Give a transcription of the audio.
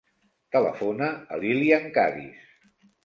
Telefona a l'Ilyan Cadiz.